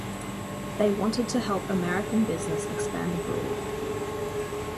They wanted to help American business expand abroad.